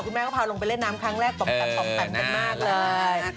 แม่ก็พาลงไปเล่นน้ำครั้งแรกปอมแปมกันมากเลย